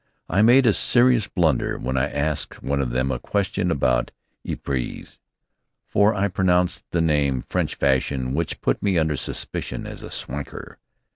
I made a serious blunder when I asked one of them a question about Ypres, for I pronounced the name French fashion, which put me under suspicion as a "swanker."